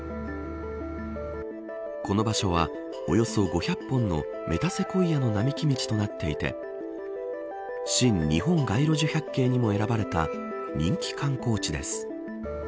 この場所は、およそ５００本のメタセコイアの並木道となっていて新・日本街路樹百景にも選ばれた人気観光地です。